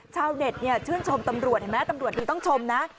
ชาวเด็ดเนี่ยชื่นชมตำรวจตำรวจที่ต้องชมนะ